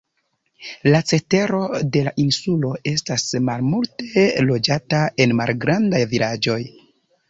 La cetero de la insulo estas malmulte loĝata en malgrandaj vilaĝoj.